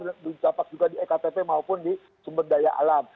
dan bercapak juga di ektp maupun di sumber daya alam